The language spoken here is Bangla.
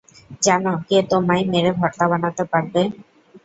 জানো, কে তোমায় মেরে ভর্তা বানাতে পারবে?